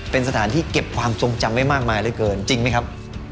เป็นสถานที่เก็บความทรงจำไว้มากมายเหลือเกินจริงไหมครับ